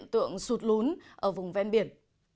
tượng sụt lún ở vùng ven biển